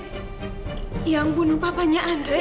bu wiwid yang bunuh papanya andre